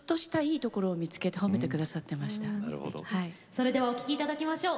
それではお聴きいただきましょう。